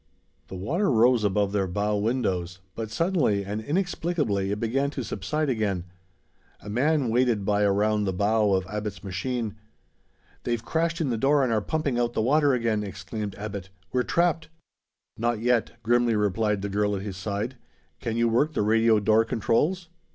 The water rose above their bow windows, but suddenly and inexplicably it began to subside again. A man waded by around the bow of Abbot's machine. "They've crashed in the door, and are pumping out the water again!" exclaimed Abbot. "We're trapped!" "Not yet!" grimly replied the girl at his side. "Can you work the radio door controls?"